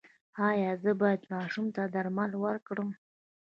ایا زه باید ماشوم ته درمل ورکړم؟